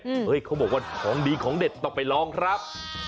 เฮ้ยเขาบอกว่าของดีของเด็ดต้องไปลองครับ